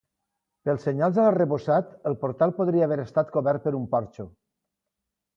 Pels senyals a l'arrebossat el portal podria haver estat cobert per un porxo.